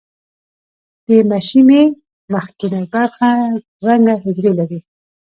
د مشیمیې مخکینۍ برخه رنګه حجرې لري.